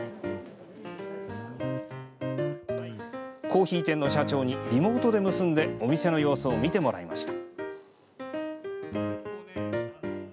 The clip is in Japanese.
コーヒー店の社長にリモートで結んでお店の様子を見てもらいました。